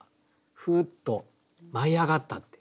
ふっと舞い上がったって。